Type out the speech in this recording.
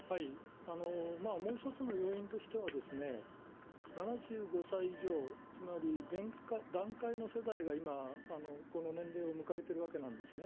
もう一つの要因としてはですね、７５歳以上、つまり団塊の世代が今、この年齢を迎えてるわけなんですね。